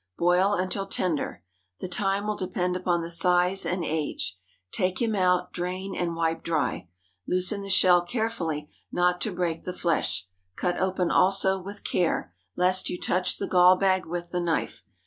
Boil until tender. The time will depend upon the size and age. Take him out, drain, and wipe dry; loosen the shell carefully, not to break the flesh; cut open also with care, lest you touch the gall bag with the knife.